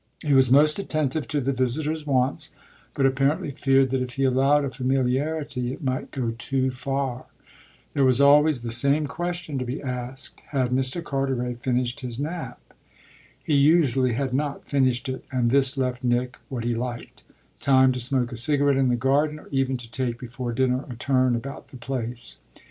He was most attentive to the visitor's wants, but apparently feared that if he allowed a familiarity it might go too far. There was always the same question to be asked had Mr. Carteret finished his nap? He usually had not finished it, and this left Nick what he liked time to smoke a cigarette in the garden or even to take before dinner a turn about the place.